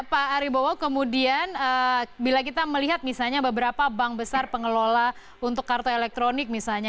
pak aribowo kemudian bila kita melihat misalnya beberapa bank besar pengelola untuk kartu elektronik misalnya